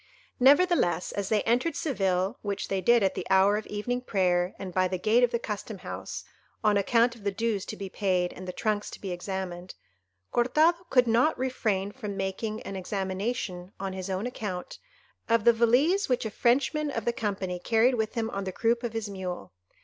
Nevertheless, as they entered Seville—which they did at the hour of evening prayer, and by the gate of the custom house, on account of the dues to be paid, and the trunks to be examined—Cortado could not refrain from making an examination, on his own account, of the valise which a Frenchman of the company carried with him on the croup of his mule.